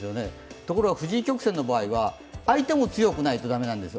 ところが藤井曲線の場合は相手も強くないと駄目なんですよ。